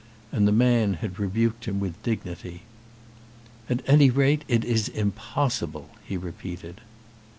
And the man had rebuked him with dignity. "At any rate it is impossible," he repeated.